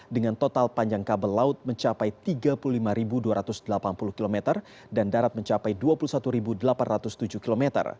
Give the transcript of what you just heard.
dengan total panjang kabel laut mencapai tiga puluh lima dua ratus delapan puluh km dan darat mencapai dua puluh satu delapan ratus tujuh km